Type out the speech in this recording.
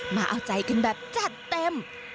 มาเอาใจกันแบบจัดเต็ม